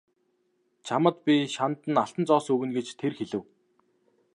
Чамд би шанд нь алтан зоос өгнө гэж тэр хэлэв.